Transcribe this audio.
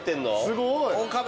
すごい。